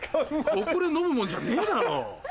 ここで飲むもんじゃねえだろ。